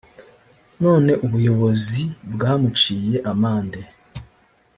none ubuyobozi bwamuciye amande